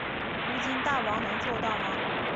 如今大王能做到吗？